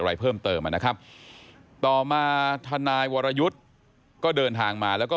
อะไรเพิ่มเติมนะครับต่อมาทนายวรยุทธ์ก็เดินทางมาแล้วก็